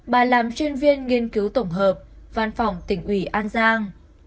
bà làm chuyên viên nghiên cứu tổng hợp văn phòng tỉnh ủy an giang